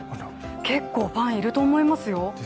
結構、ファンいると思いますよ。